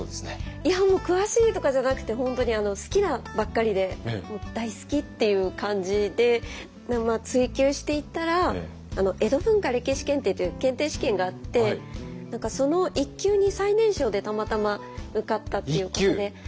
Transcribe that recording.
いや詳しいとかじゃなくて本当に好きなばっかりで大好きっていう感じで追求していったら江戸文化歴史検定という検定試験があって何かその１級に最年少でたまたま受かったっていうことで。